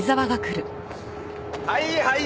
はいはい！